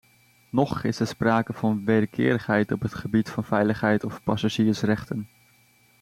Noch is er sprake van wederkerigheid op het gebied van veiligheid of passagiersrechten.